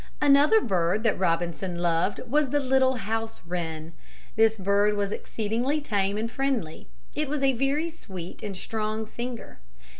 Another bird that Robinson loved was the little house wren. This bird was exceedingly tame and friendly. It was a very sweet and strong singer.